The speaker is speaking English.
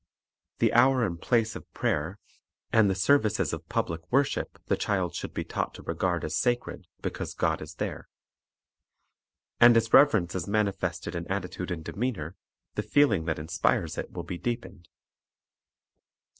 The hour and place of prayer and the 1 John 13:34. "i Cor. 13:4 8, R V. Deportment 243 services of public worship the child should be taught to regard as sacred because God is there. And as reverence is manifested in attitude and demeanor, the feeling that inspires it will be deepened.